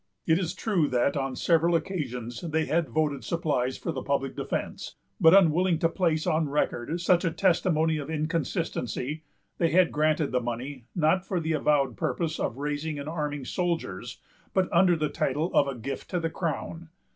It is true that, on several occasions, they had voted supplies for the public defence; but unwilling to place on record such a testimony of inconsistency, they had granted the money, not for the avowed purpose of raising and arming soldiers, but under the title of a gift to the crown.